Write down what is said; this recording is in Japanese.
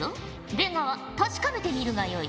出川確かめてみるがよい。